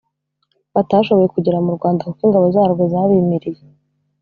batashoboye kugera mu rwanda kuko ingabo zarwo zabimiriye.